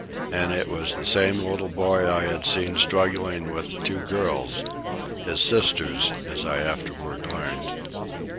And it was the same little boy I had seen struggling with the two girls his sisters, as I afterward learned.